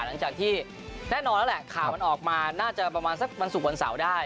หลังจากที่แน่นอนแล้วแหละข่าวมันออกมาน่าจะประมาณสักวันศุกร์วันเสาร์ได้